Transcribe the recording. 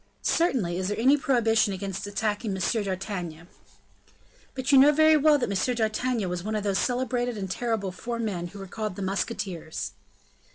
'" "Certainly, is there any prohibition against attacking M. d'Artagnan?" "But you know very well that M. d'Artagnan was one of those celebrated and terrible four men who were called the musketeers."